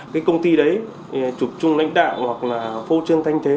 cái công ty đấy chụp chung lãnh đạo hoặc là phô trương thanh chế